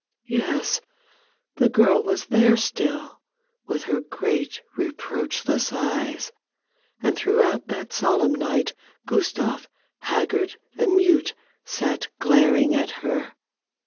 Yes; the girl was there still, with her great reproachless eyes; and throughout that solemn night Gustave, haggard and mute, sat glaring at her.